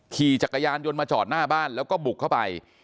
ขี่จักรยานยนต์มาจอดหน้าบ้านแล้วก็บุกเข้าไป